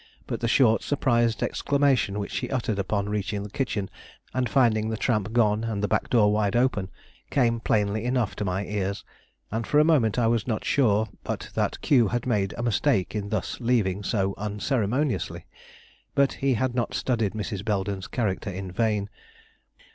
But the short, surprised exclamation which she uttered upon reaching the kitchen and finding the tramp gone and the back door wide open, came plainly enough to my ears, and for a moment I was not sure but that Q had made a mistake in thus leaving so unceremoniously. But he had not studied Mrs. Belden's character in vain.